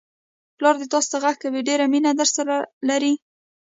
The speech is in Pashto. پلا دې تاسوته غږ کوي، ډېره مینه درسره لري!